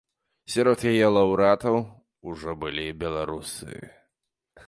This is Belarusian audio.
Сярод яе лаўрэатаў ужо былі беларусы.